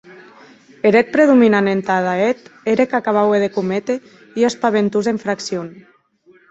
Eth hèt predominant entada eth ère, qu’acabaue de cométer ua espaventosa infraccion.